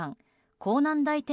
港南台店